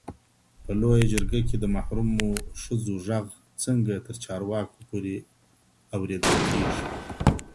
په لویه جرګه کي د محرومو ښځو ږغ څنګه تر چارواکو پوري اورېدل کیږي؟